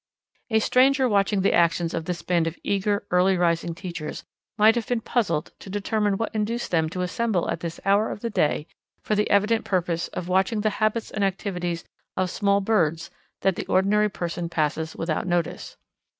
A stranger watching the actions of this band of eager, early rising teachers might have been puzzled to determine what induced them to assemble at this hour of the day for the evident purpose of watching the habits and activities of small birds that the ordinary person passes without notice.